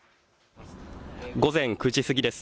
午前９時過ぎです。